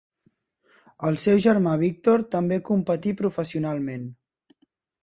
El seu germà Víctor també competí professionalment.